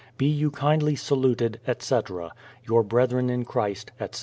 Be you kindly saluted, etc. Your brethren in Christ, etc.